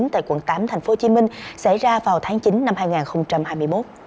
tại quận tám tp hcm xảy ra vào tháng chín năm hai nghìn hai mươi một